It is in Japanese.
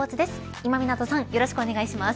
今湊さんよろしくお願いします。